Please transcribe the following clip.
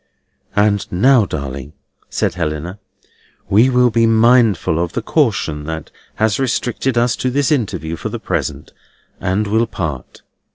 "And now, darling," said Helena, "we will be mindful of the caution that has restricted us to this interview for the present, and will part.